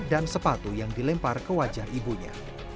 dan sepatu yang dilempar ke wajah ibunya